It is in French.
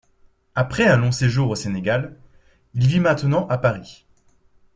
Après un long séjour au Sénégal, il vit maintenant à Paris.